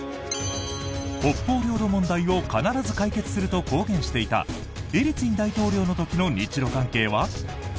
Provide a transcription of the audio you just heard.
北方領土問題を必ず解決すると公言していたエリツィン大統領の時の日ロ関係は？